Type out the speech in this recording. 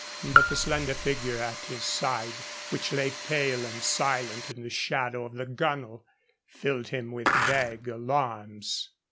But the slender figure at his side, which lay pale and silent in the shadow of the gunwale, filled him with vague alarms.